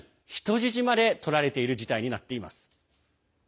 さらに人質までとられている事態になっています。